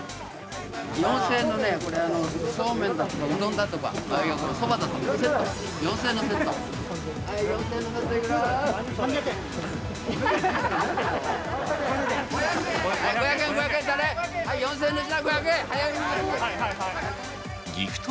４０００円のね、これ、そうめんだとか、うどんだとか、そばだとかセット、４０００円のセット。